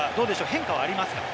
変化はありますか？